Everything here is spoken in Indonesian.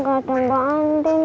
gak ada mbak andin